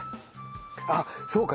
あっそうか！